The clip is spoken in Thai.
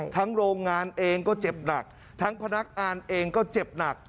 โรงงานเองก็เจ็บหนักทั้งพนักงานเองก็เจ็บหนัก